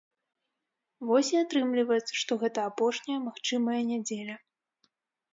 Вось і атрымліваецца, што гэта апошняя магчымая нядзеля.